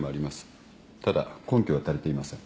ただ根拠は足りていません。